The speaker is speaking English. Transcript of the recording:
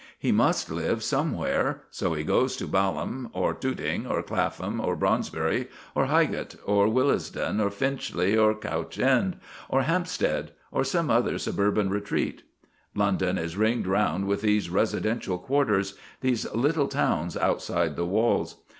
He must live somewhere; so he goes to Balham, or Tooting, or Clapham, or Brondesbury, or Highgate, or Willesden, or Finchley, or Crouch End, or Hampstead, or some other suburban retreat. London is ringed round with these residential quarters, these little towns outside the walls.